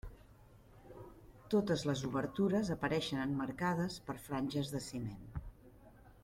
Totes les obertures apareixen emmarcades per franges de ciment.